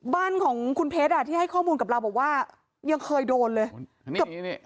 บ้านของคุณเพชรอ่ะที่ให้ข้อมูลกับเราบอกว่ายังเคยโดนเลยกับ